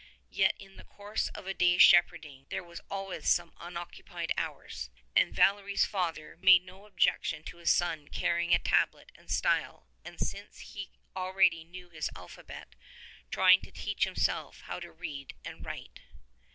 Yet in the course of a day's shepherding there were always some unoccupied hours, and Valery's father made no objec tion to his son carrying a tablet and style and, since he already knew his alphabet, trying to teach himself how to read and write.